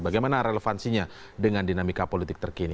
bagaimana relevansinya dengan dinamika politik terkini